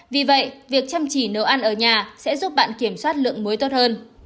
vì vậy việc chăm chỉ nấu ăn ở nhà sẽ giúp bạn kiểm soát lượng muối tốt hơn